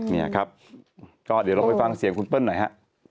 เนี่ยครับก็เดี๋ยวลองไปฟังเสียงคุณเปิ้ลหน่อยฮะ